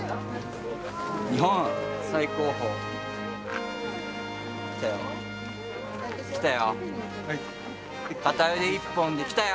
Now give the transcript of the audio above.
日本最高峰、来たよ、来たよ。